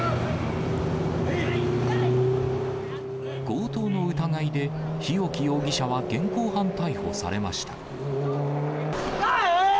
強盗の疑いで日置容疑者は現行犯逮捕されました。